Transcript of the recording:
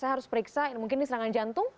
saya harus periksa mungkin ini serangan jantung